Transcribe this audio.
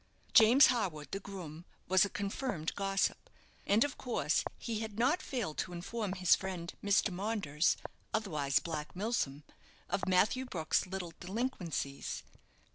James Harwood, the groom was a confirmed gossip; and, of course, he had not failed to inform his friend, Mr. Maunders, otherwise Black Milsom, of Matthew Brook's little delinquencies.